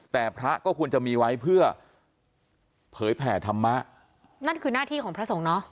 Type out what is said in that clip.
แต่พระก็ควรจะมีไว้เพื่อเผยแผ่ธรรมะนั่นคือหน้าที่ของพระสงฆ์เนาะ